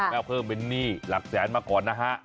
แล้วเพิ่มเป็นหนี้หลักแสนมาก่อนนะฮะ